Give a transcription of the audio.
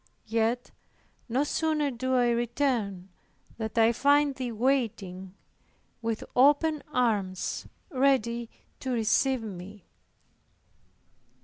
Yet no sooner do I return, than I find Thee waiting, with open arms ready to receive me."